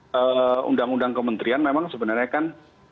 kalau undang undang kementerian memang sebenarnya kan